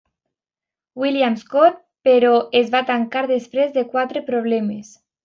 William Scott; però es va tancar després de quatre problemes.